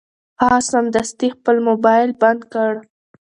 هغه سمدستي خپل مبایل بند کړ.